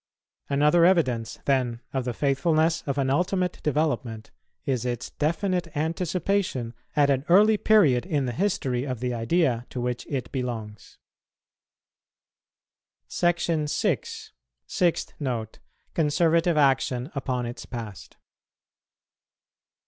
Another evidence, then, of the faithfulness of an ultimate development is its definite anticipation at an early period in the history of the idea to which it belongs. SECTION VI. SIXTH NOTE. CONSERVATIVE ACTION UPON ITS PAST.